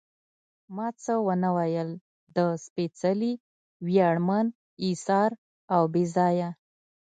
ما څه ونه ویل، د سپېڅلي، ویاړمن، اېثار او بې ځایه.